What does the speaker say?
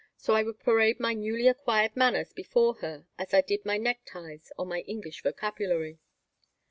So I would parade my newly acquired manners before her as I did my neckties or my English vocabulary.